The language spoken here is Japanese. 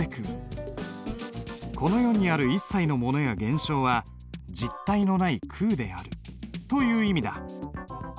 この世にある一切のものや現象は実体のない空であるという意味だ。